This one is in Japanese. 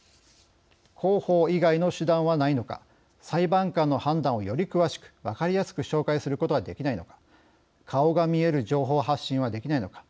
公報以外の手段はないのか裁判官の判断をより詳しく分かりやすく紹介することはできないのか顔が見える情報発信はできないのか